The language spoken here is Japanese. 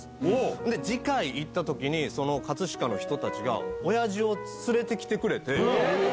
んで、次回行ったときに、かつしかの人たちがおやじを連れてきてくれて。